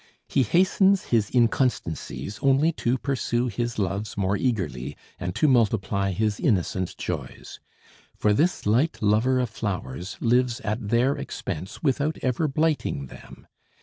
He hastens his inconstancies only to pursue his loves more eagerly and to multiply his innocent joys. For this light lover of flowers lives at their expense without ever blighting them.